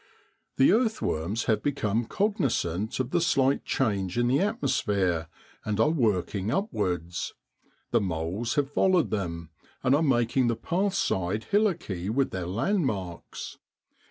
The earthworms have become cognisant of the slight change in the atmos phere, and are working upwards. The moles have followed them, and are making the path side hillocky with their landmarks.